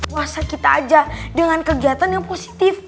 masa kita aja dengan kegiatan yang positif